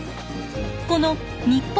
この日本